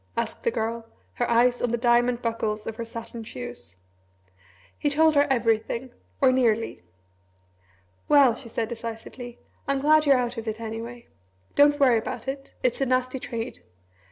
asked the Girl, her eyes on the diamond buckles of her satin shoes. He told her everything or nearly. "Well," she said decisively, "I'm glad you're out of it, anyway. Don't worry about it. It's a nasty trade.